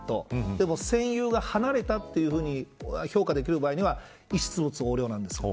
でも占有が離れたというふうに評価できる場合には遺失物横領なんです。